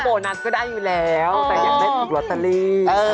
โบนัสก็ได้อยู่แล้วแต่อยากได้อีกลอตเตอรี่